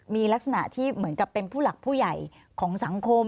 มีลักษณะที่เหมือนกับเป็นผู้หลักผู้ใหญ่ของสังคม